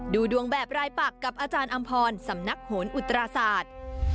ดูดวงแบบรายปักกับอาจารย์อำพรสำนักโหนอุตราศาสตร์